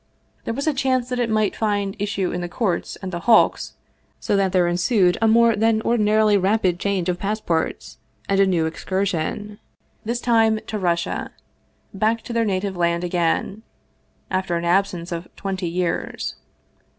There was a chance that it might find issue in the courts and the hulks, so that there ensued a more than ordinarily rapid change of passports and a new excursion this time to Russia, back to their native land again, after an absence of twenty years.